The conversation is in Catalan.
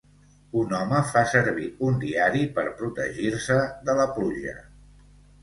Un home fa servir un diari per protegir-se de la pluja.